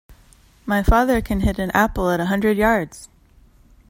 My father can hit an apple at a hundred yards!